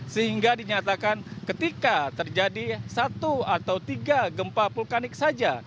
sehingga dinyatakan ketika terjadi satu atau tiga gempa vulkanik saja